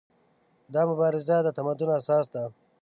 دا مبارزه د تمدن اساس ده.